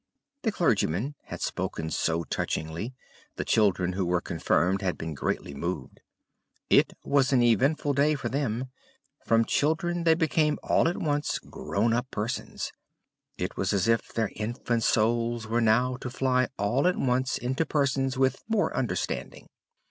The clergyman had spoken so touchingly, the children who were confirmed had been greatly moved; it was an eventful day for them; from children they become all at once grown up persons; it was as if their infant souls were now to fly all at once into persons with more understanding.